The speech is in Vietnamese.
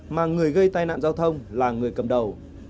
mà người gây tai nạn giao thông là người cầm đầu